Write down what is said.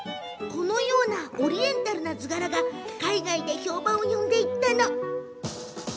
こうしたオリエンタルな図柄が海外で評判を呼んでいったの。